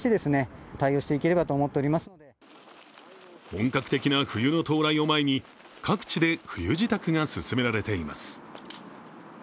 本格的な冬の到来を前に各地で冬支度が進められています。